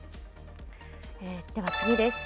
では次です。